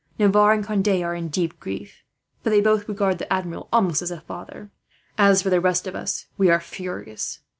Navarre and Conde are in deep grief, for they both regard the Admiral almost as a father. As for the rest of us, we are furious.